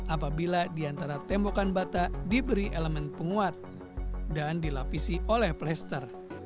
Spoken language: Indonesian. apabila di antara tembokan batak diberi elemen penguat dan dilapisi oleh plaster